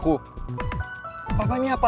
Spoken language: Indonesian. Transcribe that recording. udah ngeri ngeri aja